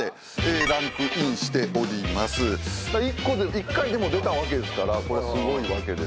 １回でも出たわけですからこれすごいわけですよ。